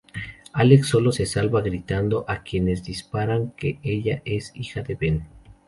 Alex sólo se salva gritando a quienes disparan, que ella es hija de Ben.